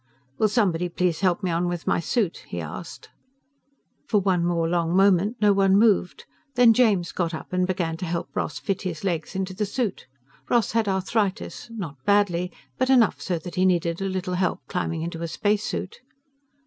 "Will somebody please help me on with my suit?" he asked. For one more long moment, no one moved. Then James got up and began to help Ross fit his legs into the suit. Ross had arthritis, not badly, but enough so that he needed a little help climbing into a spacesuit.